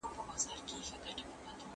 محمود لارښوونه وکړه چې نجونې خوشې شي.